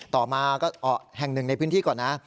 ต่อมาก็แห่งหนึ่งในพื้นที่ก่อนนะ